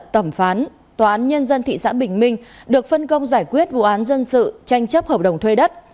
thẩm phán tòa án nhân dân thị xã bình minh được phân công giải quyết vụ án dân sự tranh chấp hợp đồng thuê đất